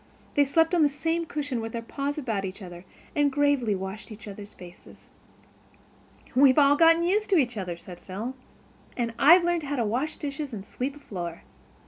They slept on the same cushion with their paws about each other, and gravely washed each other's faces. "We've all got used to each other," said Phil. "And I've learned how to wash dishes and sweep a floor."